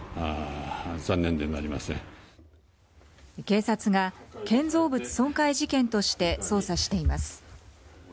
警察が建造物損壊事件として捜査しています。